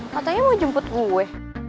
katanya mau jemput gue